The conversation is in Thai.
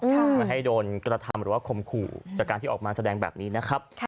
ไม่ให้โดนกระทำหรือว่าคมขู่จากการที่ออกมาแสดงแบบนี้นะครับ